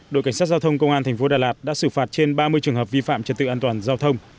đội cảnh sát giao thông công an thành phố đà lạt đã xử phạt trên ba mươi trường hợp vi phạm trật tự an toàn giao thông